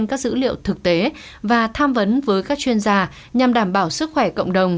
các dữ liệu thực tế và tham vấn với các chuyên gia nhằm đảm bảo sức khỏe cộng đồng